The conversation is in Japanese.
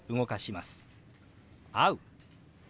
「会う」。